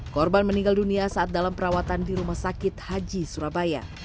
korban meninggal dunia saat dalam perawatan di rumah sakit haji surabaya